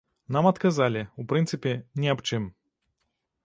Нам адказалі, у прынцыпе, ні аб чым.